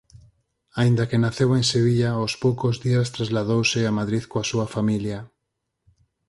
Aínda que naceu en Sevilla aos poucos días trasladouse a Madrid coa súa familia.